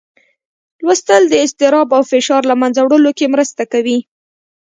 لوستل د اضطراب او فشار له منځه وړلو کې مرسته کوي